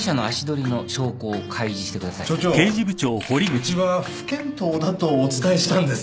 うちは不検討だとお伝えしたんですが。